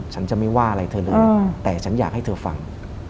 ฉันจะไม่ว่าอะไรเธอเลยแต่ฉันอยากให้เธอฟัง